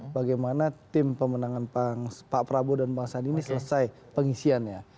bagaimana tim pemenangan pak prabowo dan bang sandi ini selesai pengisiannya